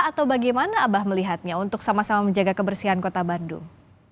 atau bagaimana abah melihatnya untuk sama sama menjaga kebersihan kota bandung